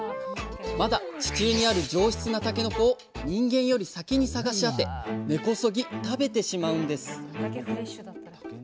まだ地中にある上質なたけのこを人間より先に探し当て根こそぎ食べてしまうんです